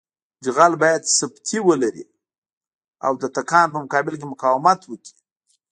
جغل باید سفتي ولري او د تکان په مقابل کې مقاومت وکړي